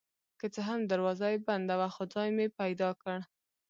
که څه هم دروازه یې بنده وه خو ځای مې پیدا کړ.